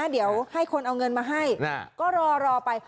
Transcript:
เดี๋ยวให้คนเอาเงินมาให้ก็รอไป